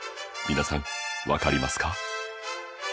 皆さんわかりますか？